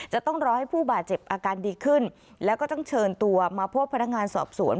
จะต้องรอให้ผู้บาดเจ็บอาการดีขึ้นแล้วก็ต้องเชิญตัวมาพบพนักงานสอบสวน